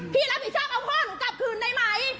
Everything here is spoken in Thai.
พี่รับผิดชอบเอาพ่อหนูกลับคืนได้ไหม